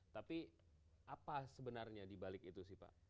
tapi apa sebenarnya di balik itu